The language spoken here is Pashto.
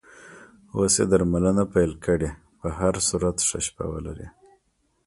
اوس یې درملنه پیل کړې، په هر صورت ښه شپه ولرې.